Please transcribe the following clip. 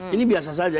ini biasa saja